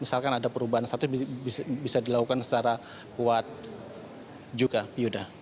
misalkan ada perubahan status bisa dilakukan secara kuat juga yuda